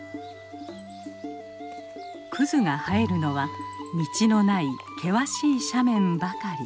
クズが生えるのは道のない険しい斜面ばかり。